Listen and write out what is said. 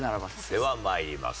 ではまいります。